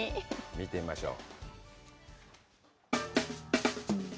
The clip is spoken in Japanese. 見てみましょう。